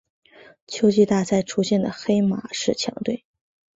秋季大赛出现的黑马式强队。